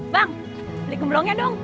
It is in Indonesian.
bang beli gemblongnya dong